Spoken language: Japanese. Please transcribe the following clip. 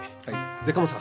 でカモさん。